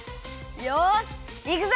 よしいくぞ！